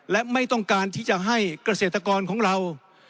และไม่ต้องการที่จะให้เกษตรกรของเรา